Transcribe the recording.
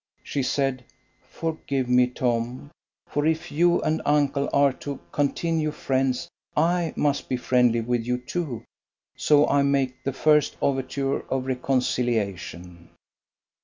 She said, "Forgive me, Tom; for if you and uncle are to continue friends, I must be friendly with you too; so I make the first overture of reconciliation."